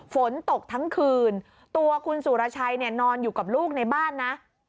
ฝนตกทั้งคืนตัวคุณสุรชัยเนี่ยนอนอยู่กับลูกในบ้านนะ